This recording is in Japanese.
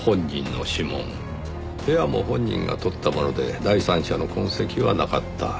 部屋も本人が取ったもので第三者の痕跡はなかった。